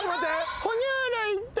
哺乳類って。